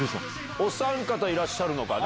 お三方いらっしゃるのかな。